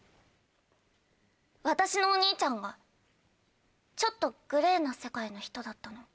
私のお兄ちゃんがちょっとグレーな世界の人だったの。